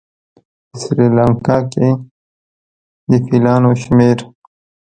په سریلانکا کې د فیلانو شمېر